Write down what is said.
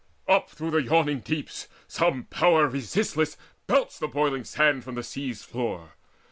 Up through yawning deeps Some power resistless belched the boiling sand From the sea's floor.